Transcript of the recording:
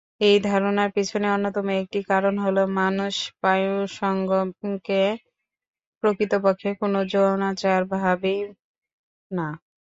এই ধারণার পেছনে অন্যতম একটি কারণ হলো মানুষ পায়ুসঙ্গম কে প্রকৃতপক্ষে কোনো যৌনাচার ভাবেই না।